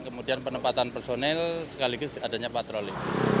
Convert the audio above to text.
kemudian penempatan personil sekaligus adanya patroli